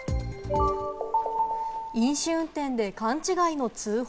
飲酒運転で勘違いの通報。